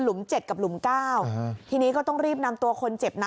เจ็ดกับหลุมเก้าทีนี้ก็ต้องรีบนำตัวคนเจ็บนะ